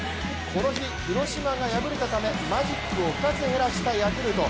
この日、広島が敗れたためマジックを２つ減らしたヤクルト。